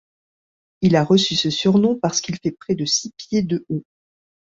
Il a reçu ce surnom parce qu'il fait près de six pieds de haut.